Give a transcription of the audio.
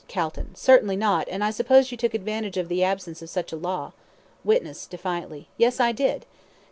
CALTON: Certainly not; and I suppose you took advantage of the absence of such a law. WITNESS (defiantly): Yes, I did.